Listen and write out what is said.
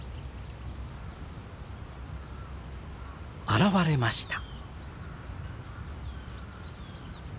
現れました。